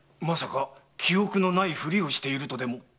まさか記憶のないふりをしているとでも？